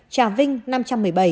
trà vinh năm trăm một mươi bảy